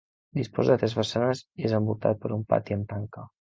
Disposa de tres façanes i és envoltat per un pati amb tanca.